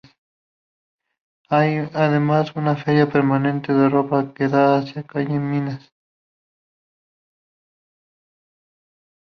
Hay además una feria permanente de ropa, que da hacia la calle Minas.